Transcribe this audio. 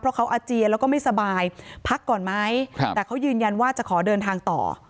เพราะเขาอาเจียนแล้วก็ไม่สบายพักก่อนไหมแต่เขายืนยันว่าจะขอเดินทางต่อ